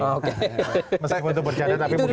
meskipun itu berjalan tapi mungkin mau